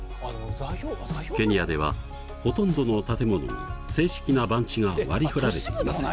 ケニアではほとんどの建物に正式な番地が割り振られていません。